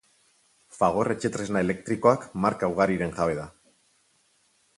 Fagor Etxetresna Elektrikoak marka ugariren jabe da.